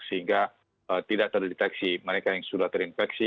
sehingga tidak terdeteksi mereka yang sudah terinfeksi